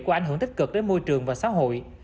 có ảnh hưởng tích cực đến môi trường và xã hội